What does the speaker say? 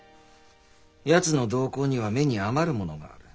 やつの動向には目に余るものがある。